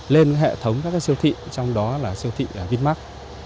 lên hệ thống các siêu thị trong đó là siêu thị vinmark